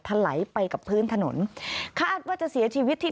ถลายไปกับพื้นถนนคาดว่าจะเสียชีวิตที่